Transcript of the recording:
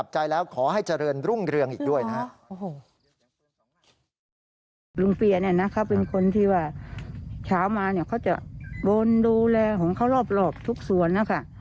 เช้ามาเนี่ยเค้าจะบนดูแลของเค้ารอบทุกส่วนนะค่ะ